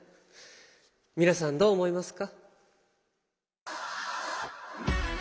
皆さんどう思いますか？